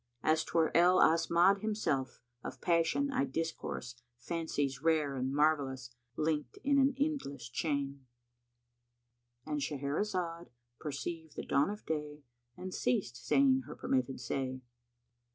As 'twere El Asmaď himself, of passion I discourse Fancies rare and marvellous, linked in an endless chain."[FN#167] —And Shahrazad perceived the dawn of day and ceased saying her permitted say.